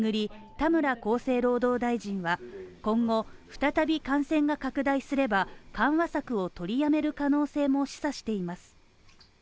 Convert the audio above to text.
田村厚生労働大臣は今後、再び感染が拡大すれば緩和策を取りやめる可能性も示唆しています。